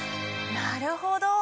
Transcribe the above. なるほど。